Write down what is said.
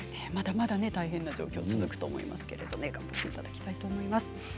まだまだ大変な状況が続くと思いますけど頑張っていただきたいと思います。